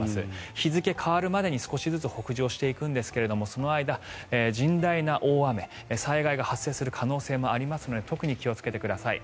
日付が変わるまでに少しずつ北上していくんですがその間、甚大な大雨災害が発生する可能性もありますので特に気をつけてください。